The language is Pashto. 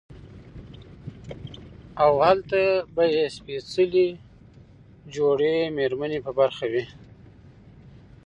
او هلته به ئې سپېڅلې جوړې ميرمنې په برخه وي